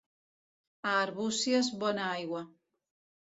A Arbúcies, bona aigua.